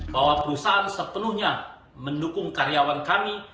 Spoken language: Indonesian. bahwa perusahaan sepenuhnya mendukung karyawan kami